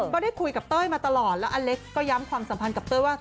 ก็ได้คุยกับเต้ยมาตลอดแล้วอเล็กก็ย้ำความสัมพันธ์กับเต้ยว่า